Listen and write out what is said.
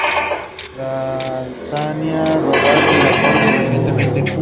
Por otro lado, antes del Congreso de mayo, en marzo, se celebraron elecciones generales.